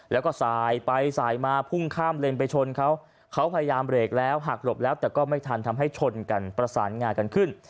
แล้วก็สายไปสายมาพุ่งข้ามเลนไปชนเขาเขาพยายามเบรกแล้วหักหลบแล้วแต่ก็ไม่ทันทำให้ชนกันประสานงากันขึ้น